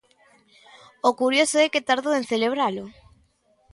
O curioso é que tardou en celebralo.